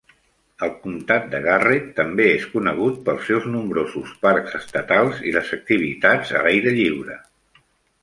El comtat de Garrett també és conegut pels seus nombrosos parcs estatals i les activitats a l'aire lliure.